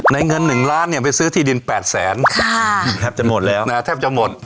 ในเงิน๑ล้านเนี่ยไปซื้อที่ดิน๘แสนค่ะแทบจะหมดแล้ว